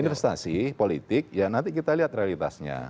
investasi politik ya nanti kita lihat realitasnya